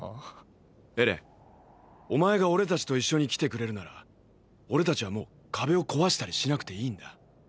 エレンお前が俺たちと一緒に来てくれるなら俺たちはもう壁を壊したりしなくていいんだ。